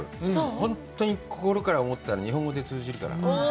本当に心から思ってたら、日本語で通じるから。